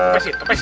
terus terus terus